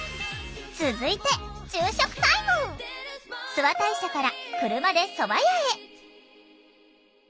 諏訪大社から車でそば屋へ。